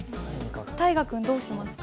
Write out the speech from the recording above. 大河君どうしますか？